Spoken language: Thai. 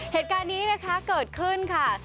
เหตุการณ์นี้นะคะเกิดขึ้นค่ะ